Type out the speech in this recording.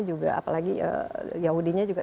juga apalagi yahudinya juga